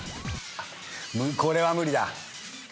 これは無理だ。